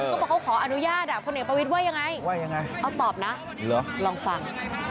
ก็บอกว่าเขาขออนุญาตคนเด็กประวิทย์ว่ายังไงเอาตอบนะลองฟัง